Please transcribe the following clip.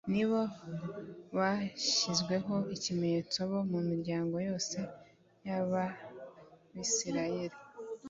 Ni bo bashyizweho ikimenyetso bo mu miryango yose y’Abisirayeli.